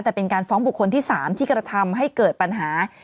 แต่เป็นการฟ้องบุคคลที่๓ที่กระทำให้เกิดปัญหา